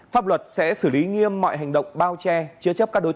pháp luật sẽ xử lý nghiêm mọi hành động bao che chứa trị